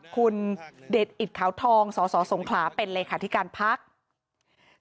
คุณเด็ดอิตขาวทองสสสงขลาเป็นเลขาธิการพัก